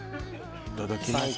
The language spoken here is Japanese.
いただきます。